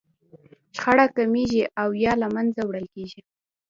شخړه کمیږي او يا له منځه وړل کېږي.